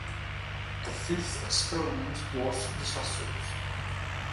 This first experiment was disastrous.